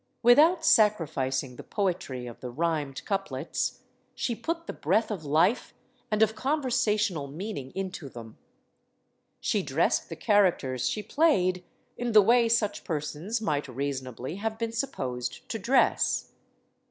Without sacrificing the poetry of the rhymed coup lets, she put the breath of life and of conversational 122 STORIES OF THE SUPER WOMEN meaning into them. She dressed the characters she played in the way such persons might reasonably have been supposed to dress.